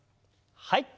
はい。